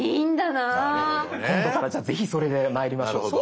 なるほどね。今度からじゃあぜひそれでまいりましょう。